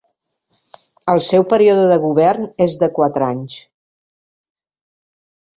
El seu període de govern és de quatre anys.